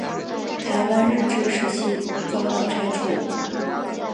台湾日治时期遭到拆除。